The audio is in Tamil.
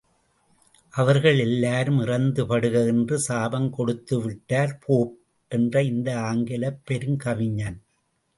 அவர்கள் எல்லாரும் இறந்து படுக என்று சாபம் கொடுத்துவிட்டார் போப் என்ற இந்த ஆங்கிலப் பெருங்கவிஞன்!